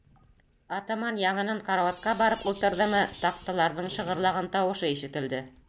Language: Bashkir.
Атаман яңынан карауатҡа барып ултырҙымы, таҡталарҙың шығырлаған тауышы ишетелде.